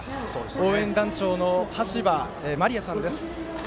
応援団長のはしばまりあさんです。